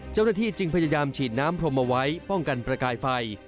เจ้าหน้าที่จึงพยายามฉีดน้ำพรมเอาไว้ป้องกันประกายไฟ